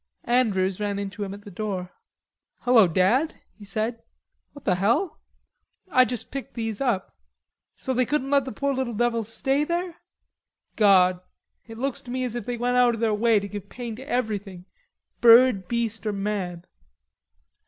Andrews ran into him at the door. "Hello, Dad," he said. "What the hell?" "I just picked these up." "So they couldn't let the poor little devils stay there? God! it looks to me as if they went out of their way to give pain to everything, bird, beast or man."